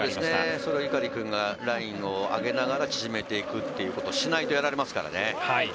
それを碇君がラインを上げながら縮めていくというのをしないとやられますからね。